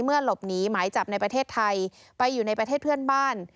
หลบหนีหมายจับในประเทศไทยไปอยู่ในประเทศเพื่อนบ้าน